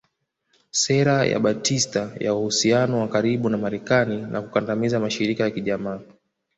Sera ya Batista ya uhusiano wa karibu na Marekani na kukandamiza mashirika ya kijamaa